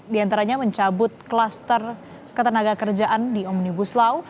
diantaranya mencabut kluster ketenaga kerjaan di omnibus law